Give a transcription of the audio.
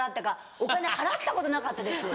お金払ったことなかったです